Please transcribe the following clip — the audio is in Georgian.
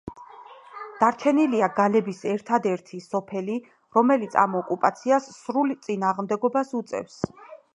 დარჩენილია გალების ერთად-ერთი სოფელი, რომელიც ამ ოკუპაციას სრულ წინააღმდეგობას უწევს.